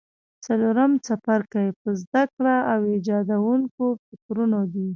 څلورم څپرکی په زده کړه او ایجادوونکو فکرونو دی.